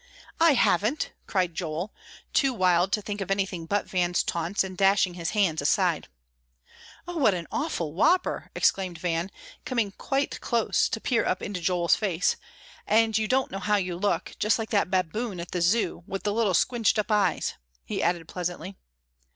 "I haven't," cried Joel, too wild to think of anything but Van's taunts, and dashing his hands aside. "Oh, what an awful whopper!" exclaimed Van, coming quite close to peer up into Joel's face, "and you don't know how you look, just like that baboon at the Zoo, with the little squinched up eyes!" he added pleasantly.